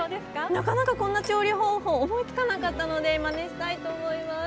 なかなかこんな調理方法思いつかなかったのでまねしたいと思います。